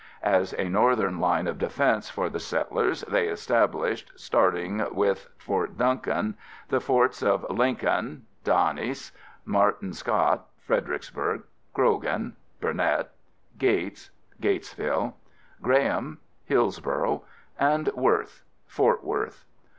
As a northern line of defense for the settlers, they established, starting with Fort Duncan, the forts of Lincoln (D'Hanis), Martin Scott (Fredericksburg), Croghan (Burnet), Gates (Gatesville), Graham (Hillsboro) and Worth (Fort Worth).